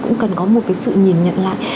cũng cần có một cái sự nhìn nhận lại